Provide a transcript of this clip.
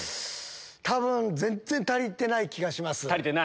多分全然足りてない気がします。